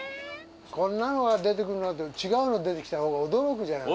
こんなのが出てくるなんて違うのが出てきた方が驚くじゃないの。